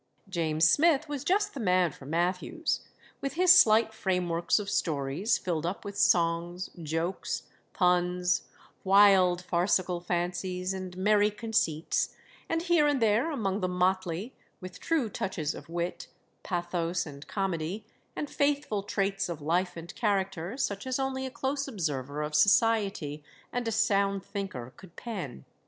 James Smith was just the man for Mathews, with his slight frameworks of stories filled up with songs, jokes, puns, wild farcical fancies, and merry conceits, and here and there among the motley, with true touches of wit, pathos, and comedy, and faithful traits of life and character, such as only a close observer of society and a sound thinker could pen.